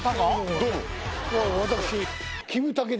どうも私。